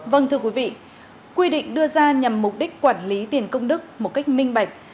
vâng thưa quý vị quy định đưa ra nhằm mục đích quản lý tiền công đức một cách minh bạch